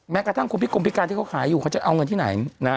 แม้กระทั่งคุณพิกรมพิการที่เขาขายอยู่เขาจะเอาเงินที่ไหนนะ